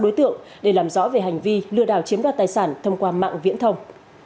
tám mươi sáu đối tượng để làm rõ về hành vi lừa đảo chiếm đoạt tài sản thông qua mạng viễn thông